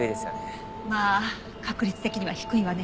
まあ確率的には低いわね。